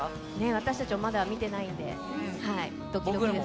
私たちもまだ見てないんで、どきどきです。